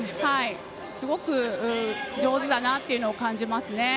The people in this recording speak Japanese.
すごく上手だなというのを感じますね。